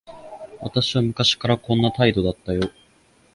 私は昔からこんな態度だったよ。